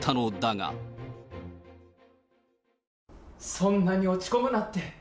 そんなに落ち込むなって。